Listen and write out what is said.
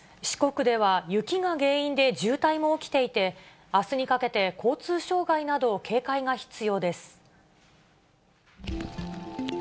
四国では雪が原因で渋滞も起きていて、あすにかけて、交通障害など、警戒が必要です。